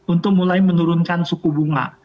untuk mulai menurunkan suku bunga